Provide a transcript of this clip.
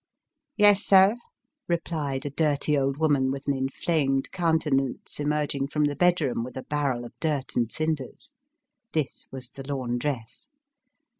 " Yes, sir," replied a dirty old woman with an inflamed countenance, emerging from the bedroom, with a barrel of dirt and cinders. This was the laundress.